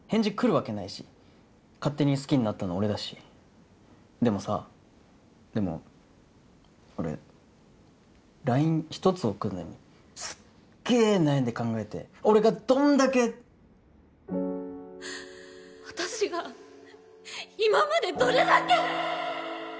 わけないし勝手に好きになったの俺だしでもさでも俺ＬＩＮＥ１つ送んのにすっげぇ悩んで考えて俺がどんだけ私が今までどれだけ！